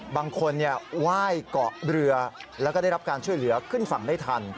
บางคนไหว้เกาะเรือแล้วก็ได้รับการช่วยเหลือขึ้นฝั่งได้ทัน